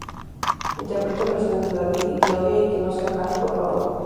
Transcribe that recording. Interpretan versiones de "David y Claudia" y "Que no sea Kang, por favor".